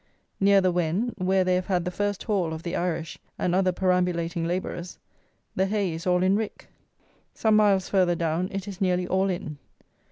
Near the Wen, where they have had the first haul of the Irish and other perambulating labourers, the hay is all in rick. Some miles further down it is nearly all in.